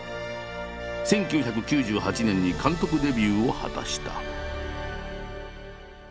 １９９８年に監督デビューを果たした。